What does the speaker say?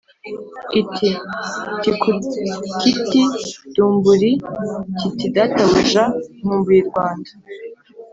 iti tikukiti dumburi kiti databuja nkumbuye i Rwanda